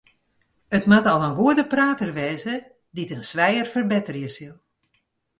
It moat al in goede prater wêze dy't it in swijer ferbetterje sil.